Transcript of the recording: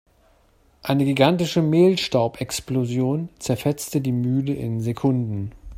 Eine gigantische Mehlstaubexplosion zerfetzte die Mühle in Sekunden.